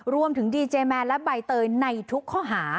ดีเจแมนและใบเตยในทุกข้อหา